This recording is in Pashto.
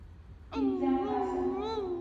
پنځم فصل